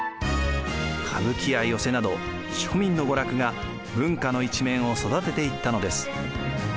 歌舞伎や寄席など庶民の娯楽が文化の一面を育てていったのです。